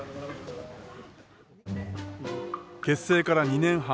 結成から２年半。